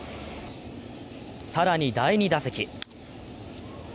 更に第２打席。